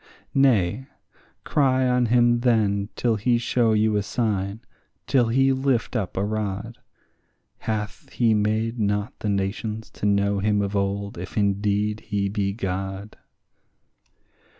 Nay, cry on him then till he show you a sign, till he lift up a rod; Hath he made not the nations to know him of old if indeed he be God?